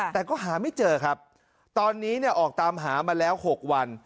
แต่ก็หาไม่เจอครับตอนนี้เนี่ยออกตามหามาแล้ว๖วัน